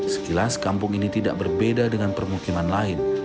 sekilas kampung ini tidak berbeda dengan permukiman lain